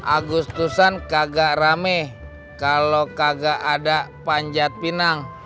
agus tusan kagak rame kalau kagak ada panjat pinang